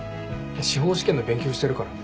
司法試験の勉強してるから。